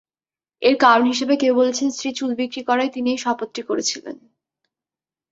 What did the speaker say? এর কারণ হিসেবে কেউ বলেছেন, স্ত্রী চুল বিক্রি করায় তিনি এই শপথটি করেছিলেন।